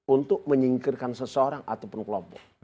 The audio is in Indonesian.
untuk menyingkirkan seseorang ataupun kelompok